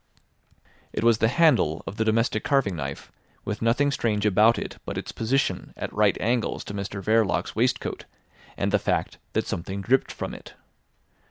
It was the handle of the domestic carving knife with nothing strange about it but its position at right angles to Mr Verloc's waistcoat and the fact that something dripped from it.